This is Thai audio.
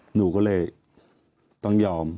หนูก็เลยต้องยอม